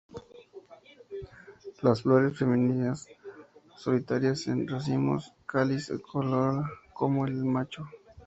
Las flores femeninas solitarias o en racimos; cáliz y corola como en el macho.